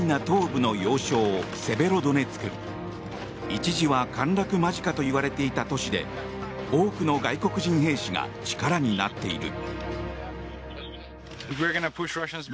一時は陥落間近といわれていた都市で多くの外国人兵士が力になっている。